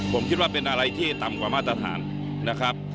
ผมคิดว่าเป็นอะไรที่ต่ำกว่ามาตรฐานนะครับ